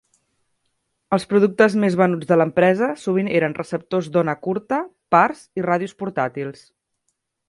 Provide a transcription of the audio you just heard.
Els productes més venuts de l'empresa sovint eren receptors d'ona curta, parts i ràdios portàtils.